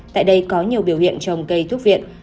tại đây có nhiều biểu hiện trồng cây thuốc viện